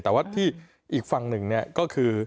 แต่ว่าที่อีกฝั่งหนึ่งก็คือ